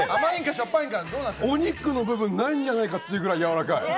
お肉の部分、ないんじゃないかっていうくらい、やわらかい。